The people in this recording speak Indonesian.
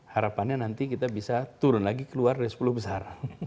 harapannya nanti kita bisa turun lagi keluar dari sepuluh besar